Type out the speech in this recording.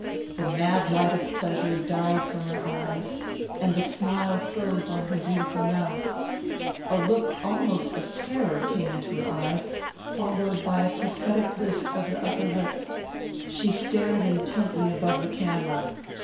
The mad light of pleasure died from her eyes and the smile froze on her beautiful mouth. A look almost of terror came into her eyes, followed by a pathetic lift of the upper lip. She stared intently above the camera.